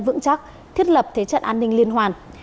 vững chắc thiết lập thế trận an ninh liên hoàn